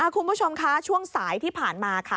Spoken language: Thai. คุณผู้ชมคะช่วงสายที่ผ่านมาค่ะ